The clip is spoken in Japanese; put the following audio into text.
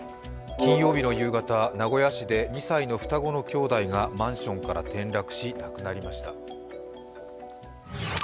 金曜日の夕方名古屋市で２歳の双子の兄弟がマンションから転落し亡くなりました。